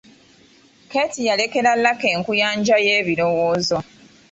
Keeti yalekera Lucky enkuyanja y’ebirowoozo.